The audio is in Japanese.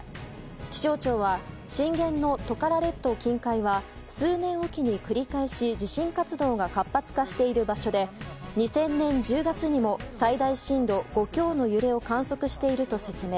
気象庁は震源のトカラ列島近海は数年おきに繰り返し地震活動が活発化している場所で２０００年１０月にも最大震度５強の揺れを観測していると説明。